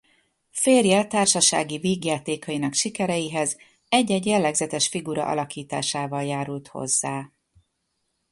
Férje társasági vígjátékainak sikereihez egy-egy jellegzetes figura alakításával járult hozzá.